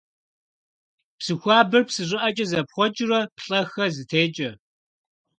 Псы хуабэр псы щӀыӀэкӀэ зэпхъуэкӀыурэ, плӀэ-хэ зытекӀэ.